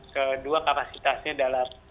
kedua kapasitasnya dalam